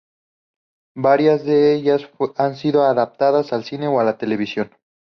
Varias de ellas han sido adaptadas al cine o la televisión.